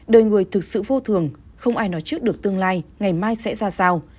đời người thực sự vô thường không ai nói trước được tương lai ngày mai sẽ ra sao